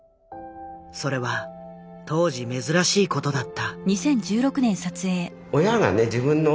それは当時珍しい事だった。